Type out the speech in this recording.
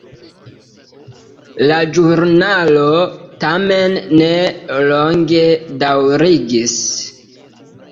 La ĵurnalo tamen ne longe daŭris.